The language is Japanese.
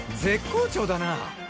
絶好調だな。